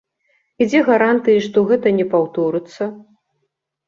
І дзе гарантыі, што гэта не паўторыцца?